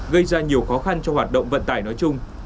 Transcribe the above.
gây ra nhiều khó khăn cho hoạt động vận tải nói chung